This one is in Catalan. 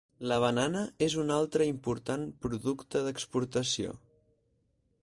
La banana és un altre important producte d'exportació.